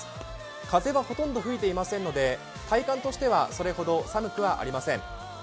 風はほとんど吹いていませんので、体感としてはそれほど寒くはありません。